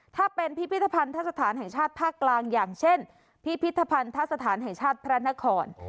ถ้าเป็นพิพิธภัณฑสถานแห่งชาติภาคกลางอย่างเช่นพิพิธภัณฑสถานแห่งชาติพระนคร